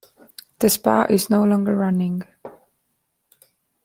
The spa is no longer running.